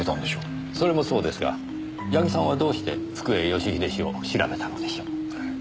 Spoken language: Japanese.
それもそうですが矢木さんはどうして福栄義英氏を調べたのでしょう？